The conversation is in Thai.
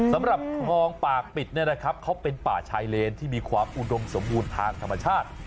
สำหรับคลองป่าปิดเนี่ยนะครับเขาเป็นป่าชายเลนที่มีความอุดมสมบูรณ์ทางธรรมชาติ